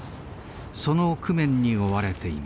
その工面に追われています。